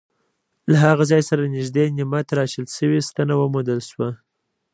له هغه ځای سره نږدې نیمه تراشل شوې ستنه وموندل شوه.